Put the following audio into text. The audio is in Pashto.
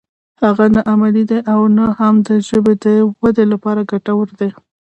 هغه نه علمي دی او نه هم د ژبې د ودې لپاره ګټور دی